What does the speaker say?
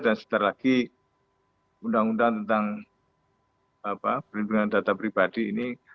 dan setelah lagi undang undang tentang perlindungan data pribadi ini